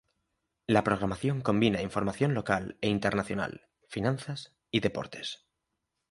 La programación combina información local e internacional, finanzas y deportes.